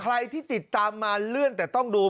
ใครที่ติดตามมาเลื่อนแต่ต้องดู